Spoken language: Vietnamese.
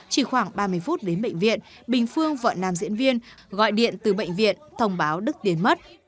chỉ khoảng ba mươi phút đến bệnh viện bình phương vợ nam diễn viên gọi điện từ bệnh viện thông báo đức tiến mất